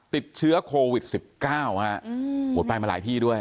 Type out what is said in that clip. ติดเชื้อโควิด๑๙ฮะโหไปมาหลายที่ด้วย